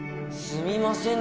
すいません。